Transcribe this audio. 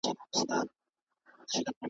بس قسمت دی و هر چا ته حق رسیږي .